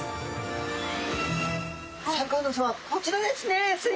こちらですねす